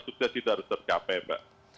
dan sukses itu harus tercapai mbak